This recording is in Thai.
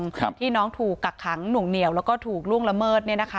ครับที่น้องถูกกักขังหน่วงเหนียวแล้วก็ถูกล่วงละเมิดเนี่ยนะคะ